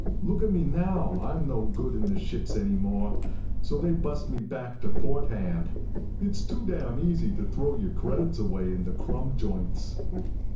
Look at me now. I'm no good in the ships any more, so they bust me back to port hand. It's too damn easy to throw your credits away in the crumb joints."